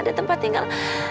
ada tempat tinggal